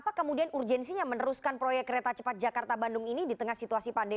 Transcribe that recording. apa kemudian urgensinya meneruskan proyek reta cepat jakarta bandung ini di tengah setoran